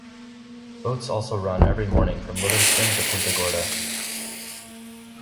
Boats also run every morning from Livingston to Punta Gorda.